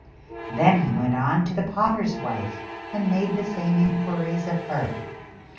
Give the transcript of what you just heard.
Then he went on to the potter's wife and made the same inquiries of her.